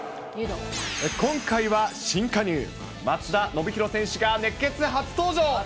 今回は新加入、松田宣浩選手が熱ケツ初登場。